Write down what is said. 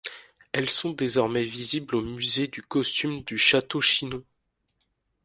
Elles sont désormais visibles au musée du Costume de Château-Chinon.